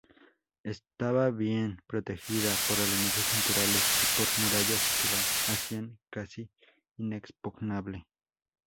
Estaba bien protegida por elementos naturales y por murallas que la hacían casi inexpugnable.